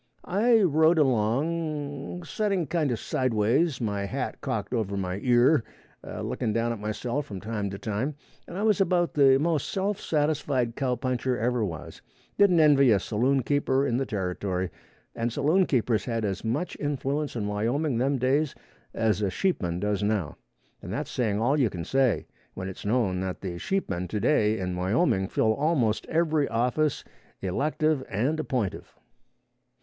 I rode along, setting kind of side ways, my hat cocked over my ear, a looking down at myself from time to time, and I was about the most self satisfied cowpuncher ever was, didn't envy a saloon keeper in the territory, and saloon keepers had as much influence in Wyoming them days as a sheepman does now, and that's saying all you can say, when it's known that the sheepmen to day in Wyoming fill almost every office, elective and appointive.